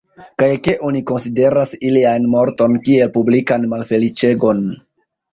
Kaj ke oni konsideras ilian morton kiel publikan malfeliĉegon.